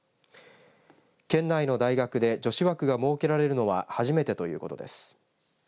県内の大学で女子枠が設けられるのは初めてということです。